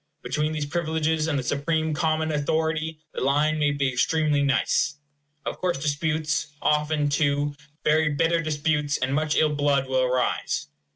Between these privileges and the supreme common authority the line may be extremely nice. Of course disputes, often, too, very bitter disputes, and much ill blood, will arise.